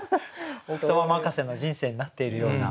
奥様任せの人生になっているような。